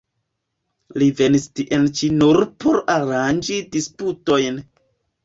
Li venis tien ĉi nur por aranĝi disputojn.